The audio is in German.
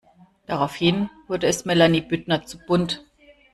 Daraufhin wurde es Melanie Büttner zu bunt.